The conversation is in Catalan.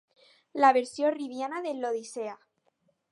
La versió ribiana de l'"Odissea".